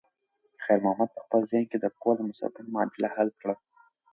خیر محمد په خپل ذهن کې د کور د مصرفونو معادله حل کړه.